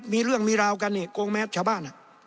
มีเรื่องมีราวกันเนี่ยโกงแมสชาวบ้าน